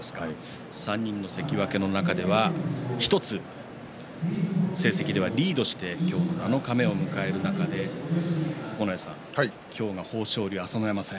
３人の関脇の中では成績では１つリードして七日目を迎える中で九重さん、今日は豊昇龍、朝乃山戦。